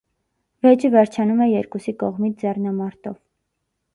Վեճը վերջանում է երկուսի կողմից ձեռնամարտով։